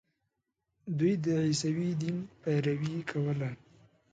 دوی د عیسوي دین پیروي کوله.